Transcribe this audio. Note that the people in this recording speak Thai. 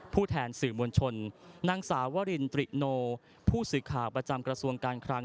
แทนสื่อมวลชนนางสาววรินตริโนผู้สื่อข่าวประจำกระทรวงการคลัง